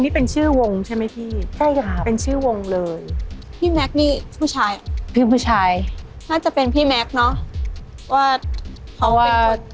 ตั้งชื่อเองเองเนอะ